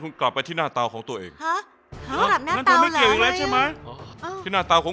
พวกเรากินจนร่วง